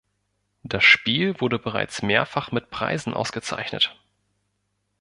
Das Spiel wurde bereits mehrfach mit Preisen ausgezeichnet.